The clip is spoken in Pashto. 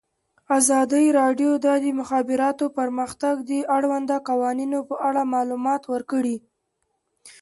ازادي راډیو د د مخابراتو پرمختګ د اړونده قوانینو په اړه معلومات ورکړي.